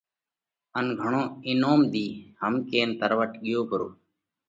ان گھڻو انوم ۮِيه۔ هم ڪينَ تروٽ ڳيو پرو۔